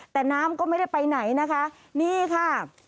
แต่น้ำก็ไม่ได้ไปไหนนะคะนี่ค่ะ